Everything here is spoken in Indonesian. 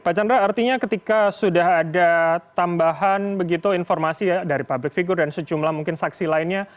pak chandra artinya ketika sudah ada tambahan begitu informasi ya dari public figure dan sejumlah mungkin saksi lainnya